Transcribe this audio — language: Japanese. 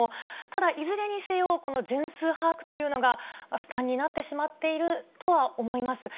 ただ、いずれにせよ、この全数把握というのが負担になってしまっているとは思います。